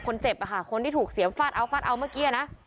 คนเจ็บอะค่ะคนที่ถูกเสียมฟาดเอาฟาดเอาเมื่อกี้นะ